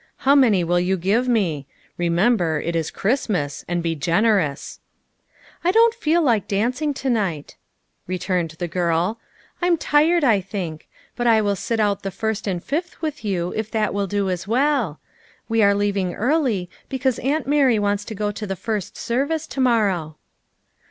" How many will you give me ? Remember, it is Christmas and be generous. '''' I don 't feel like dancing to night, '' returned the girl ;'' I 'm tired, I think. But I will sit out the first THE SECRETARY OF STATE 149 and fifth with you, if that will do as well. We are leaving early, because Aunt Mary wants to go to the first service to morrow."